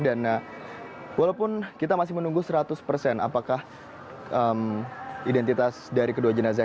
dan walaupun kita masih menunggu seratus persen apakah identitas dari kedua jenazah